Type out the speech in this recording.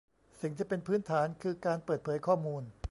สิ่งที่เป็นพื้นฐานคือการเปิดเผยข้อมูล